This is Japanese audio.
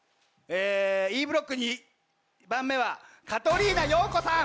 Ｅブロック２番目はカトリーナ陽子さん。